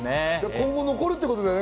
今後、残るってことだよね？